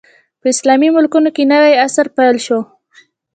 په اسلامي ملکونو کې نوی عصر پیل شو.